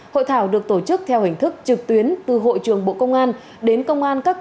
hội thảo được tổ chức theo hình thức trực tuyến từ hội trường bộ công an đến công an các